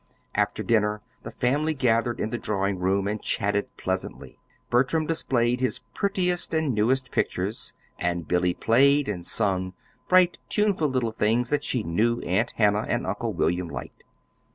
After dinner the family gathered in the drawing room and chatted pleasantly. Bertram displayed his prettiest and newest pictures, and Billy played and sung bright, tuneful little things that she knew Aunt Hannah and Uncle William liked.